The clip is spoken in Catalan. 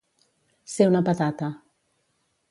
Ser una patata.